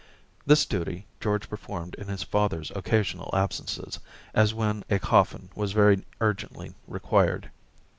This duty George performed in his father's occasional absences, as when a coffin was very urgently required.